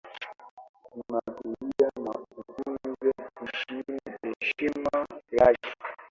Mnatulia na utunze heshima yake.